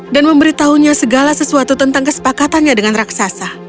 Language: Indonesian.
dan memberitahunya segala sesuatu tentang kesepakatannya dengan raksasa